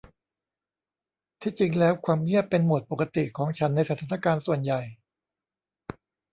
ที่จริงแล้วความเงียบเป็นโหมดปกติของฉันในสถานการณ์ส่วนใหญ่